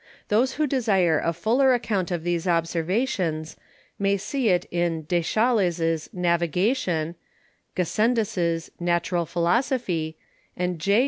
Those who desire a fuller account of these Observations, may see it in De Chales's Navigation, Gassendus's Natural Philosophy, and _J.